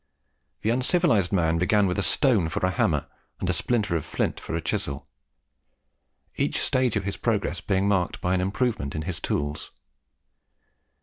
The uncivilized man began with a stone for a hammer, and a splinter of flint for a chisel, each stage of his progress being marked by an improvement in his tools.